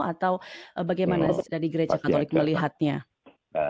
atau bagaimana dari gereja katolik melihatnya